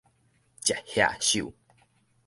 食蟻獸